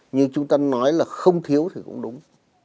như chúng ta nói là không thiếu thì cũng đúng